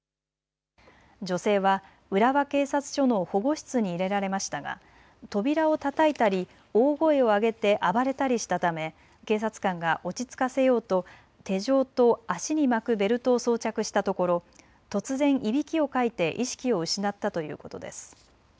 女性は浦和警察署の保護室に入れられましたが扉をたたいたり大声を上げて暴れたりしたため警察官が落ち着かせようと手錠と足に巻くベルトを装着したところ突然、いびきをかいて意識を失ったということです。